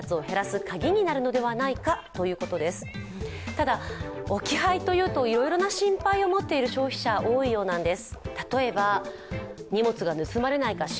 ただ置き配というといろいろな心配を持っている消費者が多いようなんです。